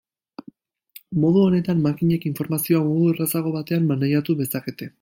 Modu honetan, makinek informazioa modu errazago batean maneiatu dezakete.